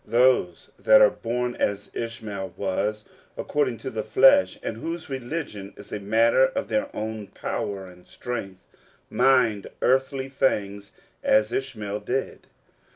Those that are bom as Ishmael was, according to the flesh, and whose religion is a matter of their own power and strength, mind earthly things, as Ishmael did.